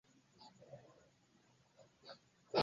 Li ekzamenis la unuan specimenon trovita de tiu delfeno.